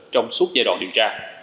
trong suốt giai đoạn điều tra